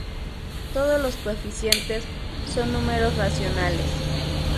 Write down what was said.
Todos los coeficientes son números racionales.